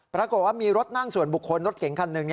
ปรากฏว่ามีรถนั่งส่วนบุคคลรถเก๋งคันหนึ่ง